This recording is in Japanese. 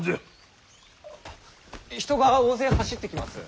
人が大勢走ってきます。